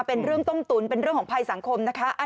เป็นเรื่องต้มตุ๋นเป็นเรื่องของภัยสังคมนะคะ